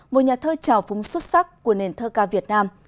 một nhà thơ trào phúng xuất sắc của nền thơ ca việt nam